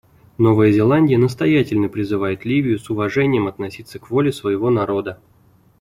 Новая Зеландия настоятельно призывает Ливию с уважением относиться к воле своего народа.